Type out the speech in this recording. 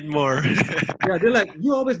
kamu selalu berangkat ke kanan oke